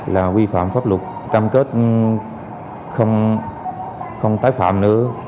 là vi phạm pháp luật cam kết không tái phạm nữa